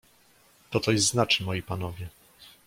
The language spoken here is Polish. "To coś znaczy, moi panowie!"